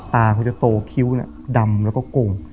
ตาจะโตคิ้วใดดำแล้วก็กลง